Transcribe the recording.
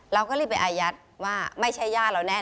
เราก็เริ่มไปอายัดว่าไม่ใช่ย่าเราแน่